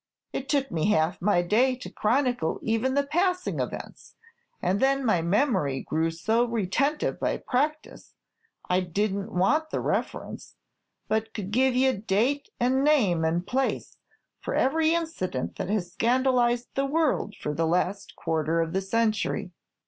It took me half my day to chronicle even the passing events; and then my memory grew so retentive by practice, I did n't want the reference, but could give you date, and name, and place for every incident that has scandalized the world for the last quarter of the century."